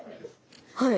はい。